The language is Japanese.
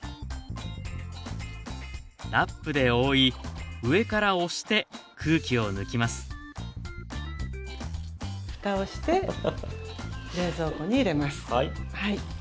ラップで覆い上から押して空気を抜きますふたをして冷蔵庫に入れます。